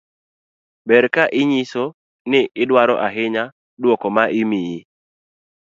ber ka inyiso ni idwaro ahinya duoko ma imiyi